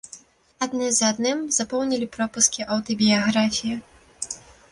Адны за адным запоўнілі пропускі аўтабіяграфіі.